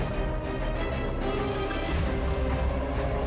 assalamualaikum warahmatullahi wabarakatuh